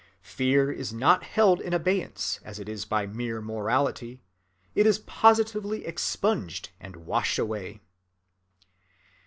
Fear is not held in abeyance as it is by mere morality, it is positively expunged and washed away.